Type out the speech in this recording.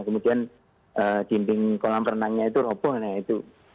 kemudian jimping kolam renangnya itu robohnya itu